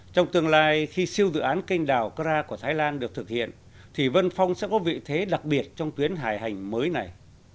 trong tương lai khi siêu dự án kênh đảo kra của thái lan được thực hiện thì vân phong sẽ có vị thế đặc biệt trong tuyến hải hành mới này